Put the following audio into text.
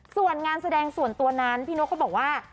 ส่วนงานแสดงส่วนตัวนั้นพี่นกเขาบอกว่า